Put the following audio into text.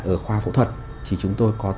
ở khoa phẫu thuật thì chúng tôi có